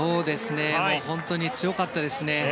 本当に強かったですね。